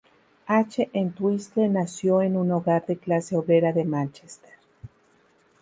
H. Entwistle nació en un hogar de clase obrera de Manchester.